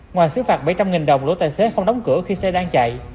ngoài xứ phạt bảy trăm linh đồng lỗ tài xế không đóng cửa khi xe đang chạy